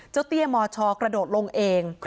เจ้าเตี้ยมอชอกระโดดลงเอง